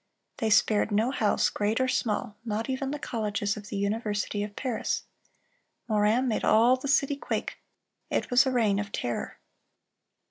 They "spared no house, great or small, not even the colleges of the University of Paris.... Morin made all the city quake.... It was a reign of terror."